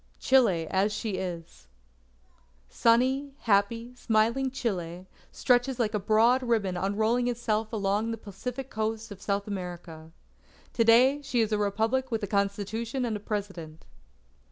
CHILE AS SHE IS Sunny, happy, smiling Chile, stretches like a broad ribbon unrolling itself along the Pacific coast of South America. To day she is a Republic with a Constitution and a President.